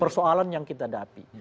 persoalan yang kita dapi